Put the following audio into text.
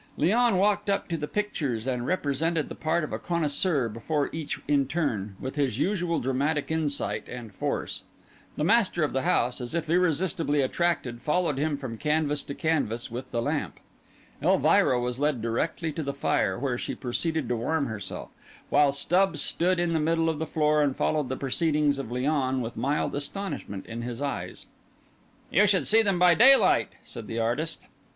Léon walked up to the pictures and represented the part of a connoisseur before each in turn, with his usual dramatic insight and force. The master of the house, as if irresistibly attracted, followed him from canvas to canvas with the lamp. Elvira was led directly to the fire, where she proceeded to warm herself, while Stubbs stood in the middle of the floor and followed the proceedings of Léon with mild astonishment in his eyes. "You should see them by daylight," said the artist.